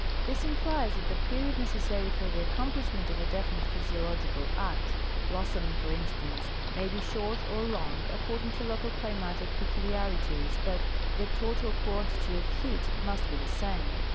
This implies that the period necessary for the accomplishment of a definite physiological act, blossoming for instance, may be short or long, according to local climatic pecuharities, but.the total quantity of heat must be the same.